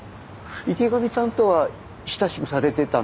池上さんとは親しくされてたんですよね？